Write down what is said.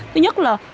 thứ nhất là